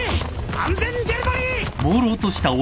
安全デリバリー！